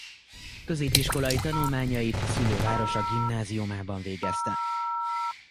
Középiskolai tanulmányait szülővárosa gimnáziumában végezte.